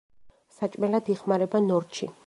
საჭმელად იხმარება ნორჩი.